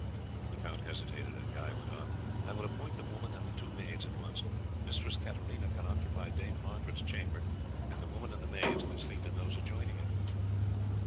The count hesitated, and Guy went on: "I will appoint the woman and the two maids at once. Mistress Katarina can occupy Dame Margaret's chamber, and the woman and the maids can sleep in those adjoining it."